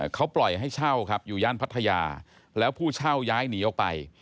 เขาปล่อยให้เช่าครับอยู่ย่านพัทยาแล้วผู้เช่าย้ายหนีออกไป